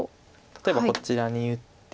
例えばこちらに打って。